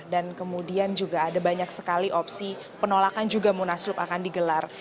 dan kemudian juga ada banyak sekali opsi penolakan juga munaslup akan digelar